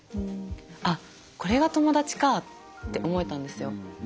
あっこれが友達かって思えたんですよ。